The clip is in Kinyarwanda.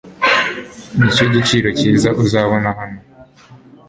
Nicyo giciro cyiza uzabona hano.